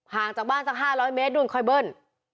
ห่างจากบ้านสัก๕๐๐เมตรนู่นคอยเบิ้ล